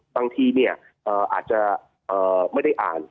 บางทีเนี่ยอาจจะไม่ได้อ่าน